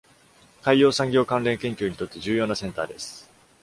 海洋産業関連研究にとって重要なセンターです。